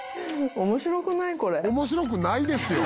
面白くないですよ。